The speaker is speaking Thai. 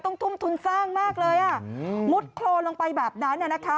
ต้มทุ่มทุนสร้างมากเลยอ่ะอือหลุดครวลลงไปแบบนั้นอ่ะนะคะ